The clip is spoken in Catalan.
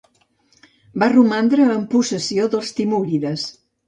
Va romandre en possessió dels timúrides.